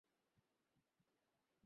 যাহার যখন খুশি আসিতেছে যাইতেছে।